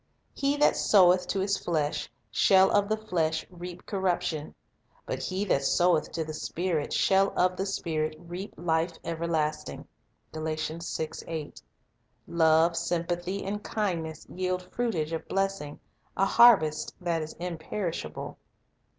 "He that soweth to his flesh shall of the flesh reap corruption; but he that soweth to the Spirit shall of the Spirit reap life ever lasting." 1 Love, sympathy, and kindness yield fruitage of blessing, a harvest that is imperishable.